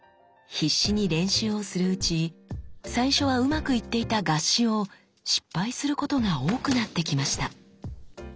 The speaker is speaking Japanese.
必死に練習をするうち最初はうまくいっていた合撃を失敗することが多くなってきました。